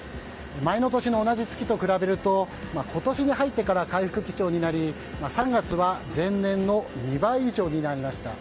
前の年の同じ月と比べて今年に入って回復基調となり３月は前年の２倍以上になりました。